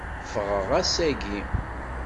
Fɣeɣ ass-agi.